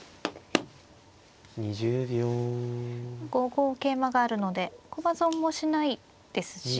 ５五桂馬があるので駒損もしないですし。